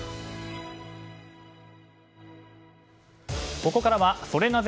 ここからはソレなぜ？